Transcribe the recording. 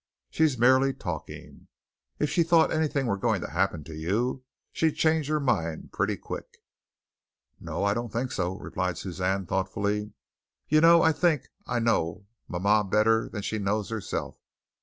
She's merely talking. If she thought anything were going to happen to you, she'd change her mind pretty quick." "No, I don't think so," replied Suzanne thoughtfully. "You know, I think I know mama better than she knows herself.